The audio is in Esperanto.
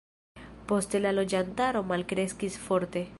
Poste la loĝantaro malkreskis forte.